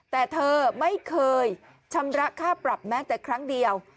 แต่เธอไม่เคยชำระค่าปรับแม้แต่ครั้งเดียว